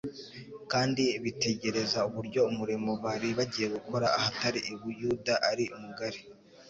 kandi bitegereza uburyo umurimo bari bagiye gukora ahatari i Buyuda ari mugari.